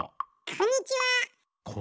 こんにちは。